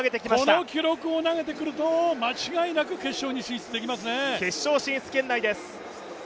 この記録を投げてくると間違いなく決勝に進出できますね。